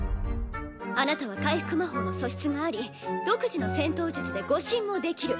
あなたは回復魔法の素質があり独自の戦闘術で護身もできる。